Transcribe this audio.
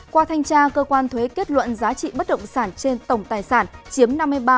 qua thanh tra cơ quan thuế kết luận giá trị bất động sản trên tổng tài sản chiếm năm mươi ba chín mươi chín